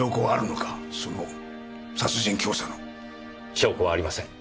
証拠はありません。